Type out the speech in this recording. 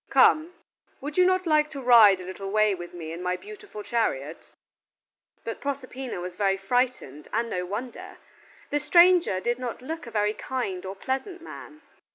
"Come! would you not like to ride a little way with me in my beautiful chariot?" But Proserpina was very frightened, and no wonder. The stranger did not look a very kind or pleasant man.